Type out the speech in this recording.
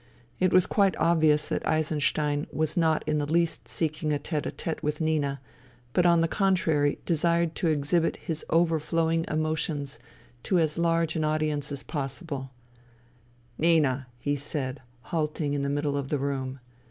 It was quite obvious that Eisenstein was not in the least seeking a tete d tete with Nina, but on the contrary, desired to exhibit his overflowing emotions to as large an audience as possible. THE THREE SISTERS 47 " Nina," he said, halting in the middle of the room.